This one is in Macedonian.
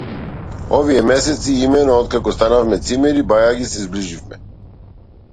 Овие месеци, имено, откако станавме цимери, бајаги се зближивме.